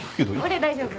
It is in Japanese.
俺大丈夫。